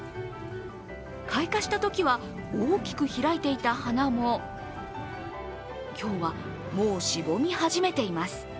開花したときは大きく開いていた花も今日はもうしぼみ始めています。